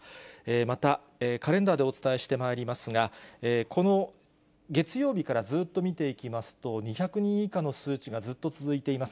また、カレンダーでお伝えしてまいりますが、この月曜日からずっと見ていきますと、２００人以下の数値がずっと続いています。